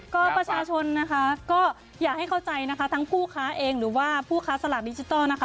ก็ประชาชนนะคะก็อยากให้เข้าใจนะคะทั้งผู้ค้าเองหรือว่าผู้ค้าสลากดิจิทัลนะคะ